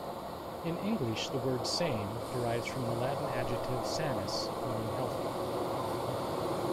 In English, the word "sane" derives from the Latin adjective "sanus" meaning "healthy".